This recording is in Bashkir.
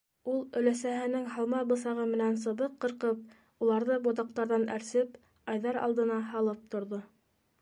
Ул өләсәһенең һалма бысағы менән сыбыҡ ҡырҡып, уларҙы ботаҡтарҙан әрсеп, Айҙар алдына һалып торҙо.